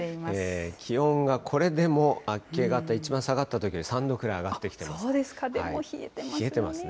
気温がこれでも明け方、一番下がったときより３度くらい上がってでも冷えてますね。